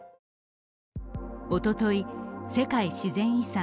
おととい、世界自然遺産